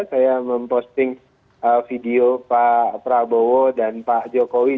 saya memposting video pak prabowo dan pak jokowi